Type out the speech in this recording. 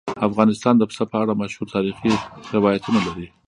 افغانستان د پسه په اړه مشهور تاریخی روایتونه لري.